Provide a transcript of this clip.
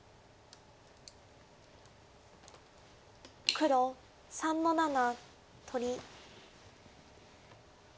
黒３の七取り。